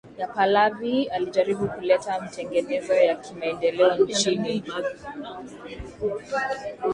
ya Pahlavi Alijaribu kuleta matengenezo ya kimaendeleo nchini